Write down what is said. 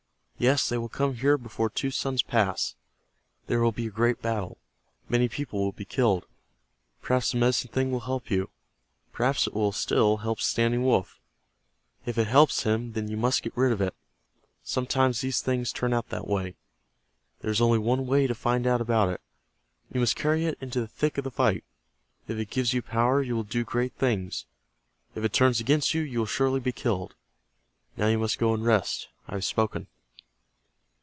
Yes, they will come here before two suns pass. There will be a great battle. Many people will be killed. Perhaps the Medicine Thing will help you. Perhaps it will still help Standing Wolf. If it helps him, then you must get rid of it. Sometimes these things turn out that way. There is only one way to find out about it. You must carry it into the thick of the fight. If it gives you power you will do great things. If it turns against you, you will surely be killed. Now you must go and rest. I have spoken."